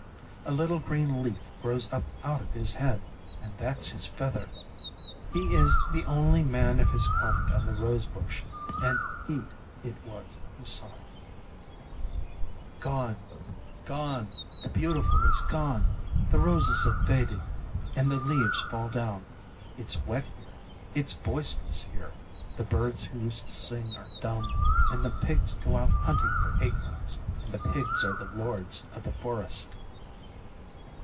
A little green leaf grows up out of his head, and that's his feather. He is the only man of his kind on the rose bush; and he it was who sighed. [Illustration: THE PIGS AT HOME IN THE OLD STATE COACH.] "Gone! gone! The beautiful is gone! The roses have faded, and the leaves fall down! It's wet here! it's boisterous here! The birds who used to sing are dumb, and the pigs go out hunting for acorns, and the pigs are the lords of the forest!"